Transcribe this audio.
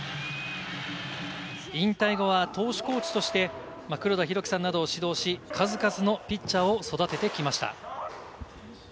引退後は投手コーチとして黒田博樹さんなどを指導し、数々のピッチャーを育ててきました。